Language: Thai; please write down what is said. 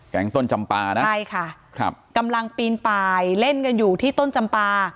แก๊งต้นจำป่านะใช่ค่ะกำลังปีนไปเล่นกันอยู่ที่ต้นจำป่า